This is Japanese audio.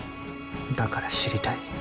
だから知りたい。